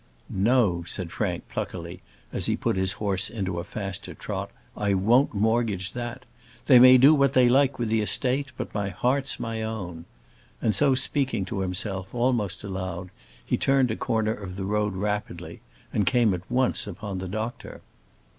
"No," said Frank, pluckily, as he put his horse into a faster trot, "I won't mortgage that. They may do what they like with the estate; but my heart's my own," and so speaking to himself, almost aloud, he turned a corner of the road rapidly and came at once upon the doctor.